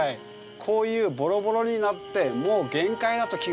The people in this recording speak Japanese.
こういうボロボロになってもう限界だと木が。